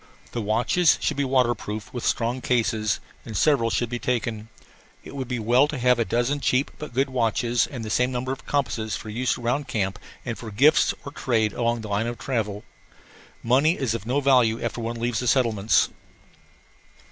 The watches should be waterproof with strong cases, and several should be taken. It would be well to have a dozen cheap but good watches and the same number of compasses for use around camp and for gifts or trade along the line of travel. Money is of no value after one leaves the settlements.